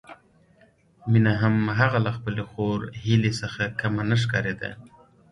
مينه هم هغه له خپلې خور هيلې څخه کمه نه ښکارېده